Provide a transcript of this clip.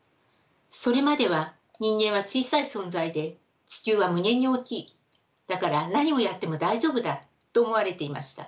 それまでは人間は小さい存在で地球は無限に大きいだから何をやっても大丈夫だと思われていました。